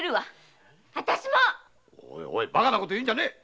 バカなこと言うんじゃねぇ。